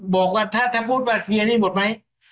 บอกอะถ้าถ้าพูดบาทเครียร์นี่หมดไหม